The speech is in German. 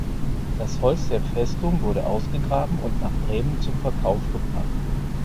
Das Holz der Festung wurde ausgegraben und nach Bremen zum Verkauf gebracht.